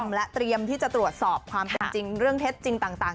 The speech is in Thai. และเตรียมที่จะตรวจสอบความเป็นจริงเรื่องเท็จจริงต่าง